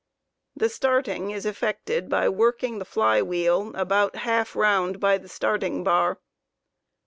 The starting is effected by working the fly wheel about half round by the start . ing bar.